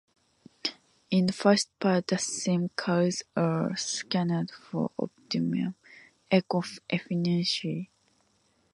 In the first part, the sim-cars are scanned for "optimum eco-efficiency".